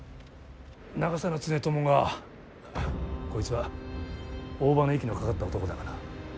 長狭常伴がこいつは大庭の息のかかった男だがな